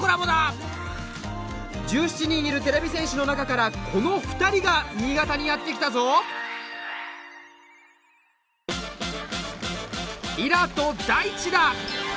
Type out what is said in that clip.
１７人いるてれび戦士の中からこの２人が新潟にやって来たぞ莉良と大馳だ！